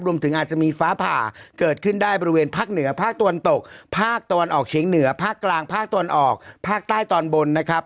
รวมถึงอาจจะมีฟ้าผ่าเกิดขึ้นได้บริเวณภาคเหนือภาคตะวันตกภาคตะวันออกเฉียงเหนือภาคกลางภาคตะวันออกภาคใต้ตอนบนนะครับ